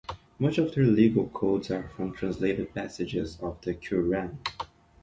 Much of their legal codes are from translated passages of the Qu'ran.